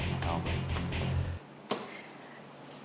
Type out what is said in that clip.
masa lu pak